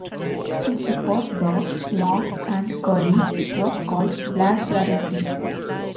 Since it was dark, long, and curly, it was called Black Dragon tea.